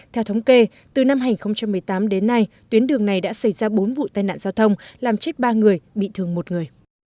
theo thống kê từ năm hai nghìn một mươi tám đến nay tuyến đường này đã xảy ra bốn vụ tai nạn giao thông làm chết ba người bị thương một người